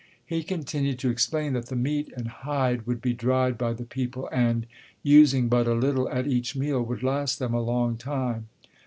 He continued to explain that the meat and hide would be dried by the people and, using but a little at each meal, would last them a long time.